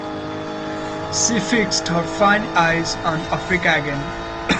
She fixed her fine eyes on Africa again.